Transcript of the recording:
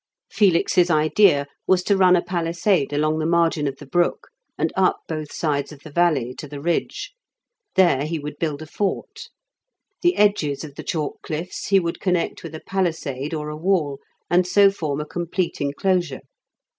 Felix's idea was to run a palisade along the margin of the brook, and up both sides of the valley to the ridge. There he would build a fort. The edges of the chalk cliffs he would connect with a palisade or a wall, and so form a complete enclosure.